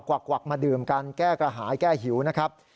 วักมาดื่มกันแก้กระหายแก้หิวนะครับ